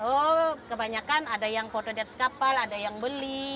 oh kebanyakan ada yang foto di atas kapal ada yang beli